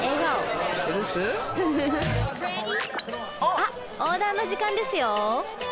あオーダーの時間ですよ。